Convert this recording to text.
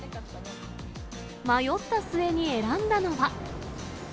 迷った末に選んだのは。